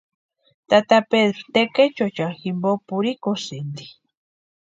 Tata Pedru tekechuecha jimpo purhikusïnti.